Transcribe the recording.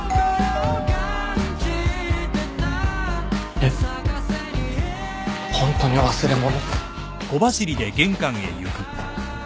・えっホントに忘れ物？